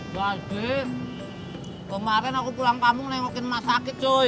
bajik kemarin aku pulang kampung nengokin emak sakit coy